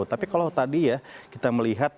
tapi kalau tadi ya kita melihat